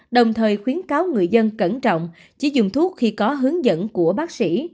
đồng thời khuyến cáo người dân cẩn trọng chỉ dùng thuốc khi có hướng dẫn của bác sĩ